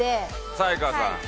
才川さん